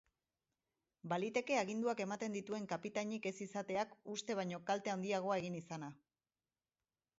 Baliteke aginduak ematen dituen kapitainik ez izateak uste baino kalte handiagoa egin izana.